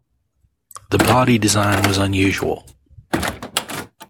The body design was unusual.